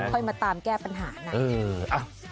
ค่อยมาตามแก้ปัญหานั้น